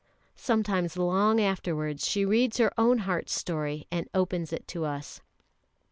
Sometimes long afterwards she reads her own heart's story and opens it to us.